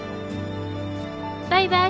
バイバイ。